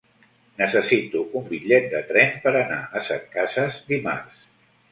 Necessito un bitllet de tren per anar a Setcases dimarts.